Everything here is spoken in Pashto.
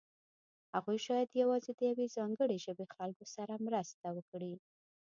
هغوی شاید یوازې د یوې ځانګړې ژبې خلکو سره مرسته وکړي.